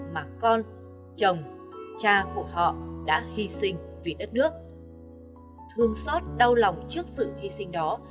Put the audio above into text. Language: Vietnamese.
mà con chồng cha của họ đã hy sinh vì đất nước thương xót đau lòng trước sự hy sinh đó